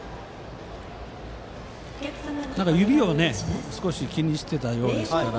指を少し気にしていたようですから。